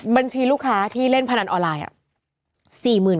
บัญชีลูกค้าที่เล่นพนันออนไลน์